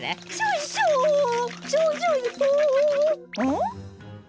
ん？